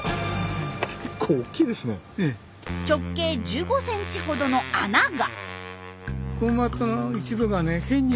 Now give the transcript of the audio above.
直径１５センチほどの穴が。